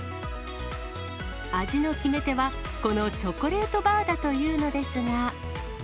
味の決め手は、このチョコレートバーだというのですが。